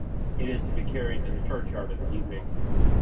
It is to be carried to the churchyard in the evening.